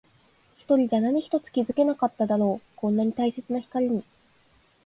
一人じゃ何一つ気づけなかっただろう。こんなに大切な光に。